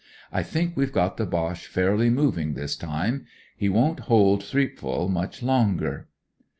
I think we've got the Boche fairly moving this time. He won't hold Thi^pval much longer."